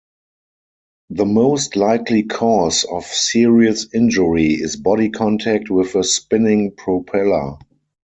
The most likely cause of serious injury is body contact with a spinning propeller.